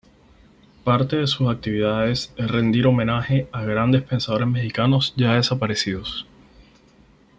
Parte de sus actividades es rendir homenaje a grandes pensadores mexicanos ya desaparecidos.